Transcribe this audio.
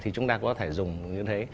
thì chúng ta có thể dùng như thế